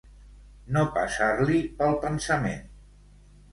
No passar-li pel pensament.